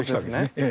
ええ。